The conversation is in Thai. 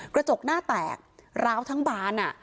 กระจกหน้าแตกร้าวทั้งบาน